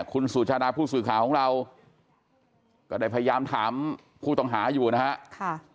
คุณสุชาดาผู้สื่อข่าวของเราก็ได้พยายามถามผู้ต้องหาอยู่นะฮะ